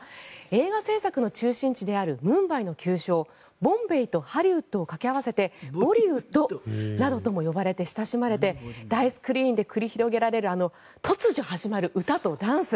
映画制作の中心地であるムンバイの旧称ボンベイとハリウッドを掛け合わせてボリウッドなどとも呼ばれて親しまれて大スクリーンで繰り広げられる突如始まる歌とダンス。